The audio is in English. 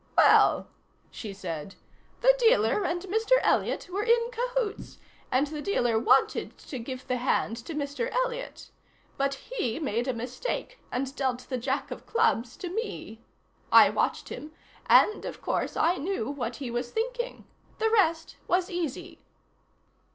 "Well," she said, "the dealer and Mr. Elliott were in cahoots, and the dealer wanted to give the hand to Mr. Elliott. But he made a mistake, and dealt the Jack of clubs to me. I watched him, and, of course, I knew what he was thinking. The rest was easy."